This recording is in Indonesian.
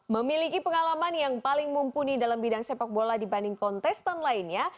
memiliki pengalaman yang paling mumpuni dalam bidang sepak bola dibanding kontestan lainnya